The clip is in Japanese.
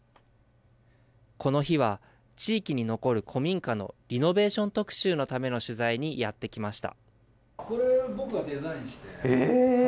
この日は、地域に残る古民家のリノベーション特集のための取材にやって来ました。